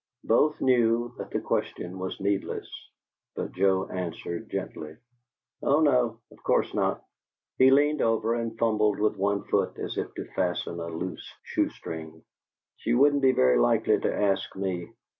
Both knew that the question was needless; but Joe answered, gently: "Oh no, of course not." He leaned over and fumbled with one foot as if to fasten a loose shoe string. "She wouldn't be very likely to ask me."